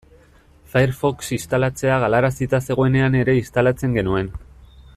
Firefox instalatzea galarazita zegoenean ere instalatzen genuen.